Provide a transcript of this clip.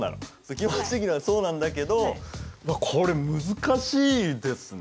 気持ち的にはそうなんだけどこれ難しいですね。